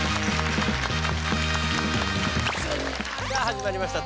さあ始まりました